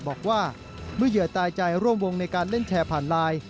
บอกว่าเมื่อเหยื่อตายใจร่วมวงในการเล่นแชร์ผ่านไลน์